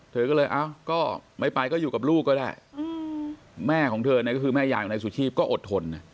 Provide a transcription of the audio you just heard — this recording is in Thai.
เธอก็เลยเอ้าไม่ไปก็อยู่กับลูกก็ได้แม่ของเธอคือแม่ยาอยู่ในสุชีพก็อดทน